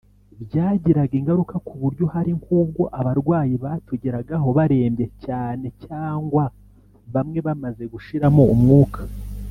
Byagiraga ingaruka ku buryo hari nk’ubwo abarwayi batugeragaho barembye cyane cyangwa bamwe bamaze gushiramo umwuka